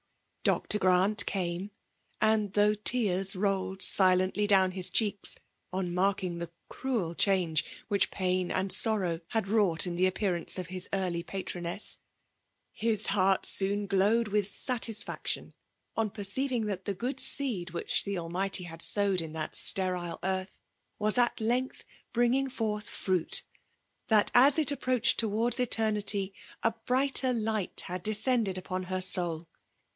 Dr. Grant came; and, though tears rolled silently down his cheeks on marking the cruel change which pain and sorrow had wrought in the appearance of lus early patroness, his heart soon glowed with satisfaction on perceiving that the good seed which the Almighty had sowed in that stent earth, was at length bringing forth fruit ; that, as it approached towards eternity, a brighter light had descended upon her soijd.